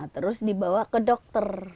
terus dibawa ke dokter